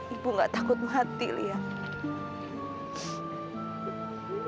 ibu gak takut mati lia